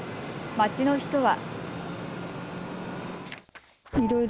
町の人は。